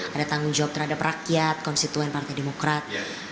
ada tanggung jawab terhadap rakyat konstituen partai demokrat